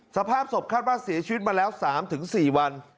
สภาพศพคาดว่าเสียชีวิตมาแล้ว๓๔วัน